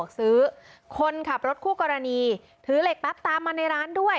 คุณเป็นใคร